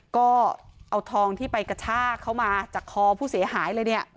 ก็เอาทองที่ไปกระชากเขามาจากคอผู้เสียหายเลยเนี่ย